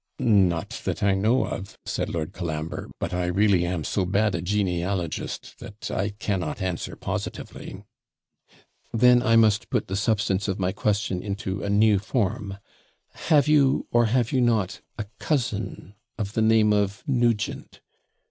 'Not that I know of,' said Lord Colambre; 'but I really am so bad a genealogist, that I cannot answer positively.' 'Then I must put the substance of my question into a new form. Have you, or have you not, a cousin of the name of Nugent?'